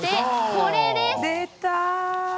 これです。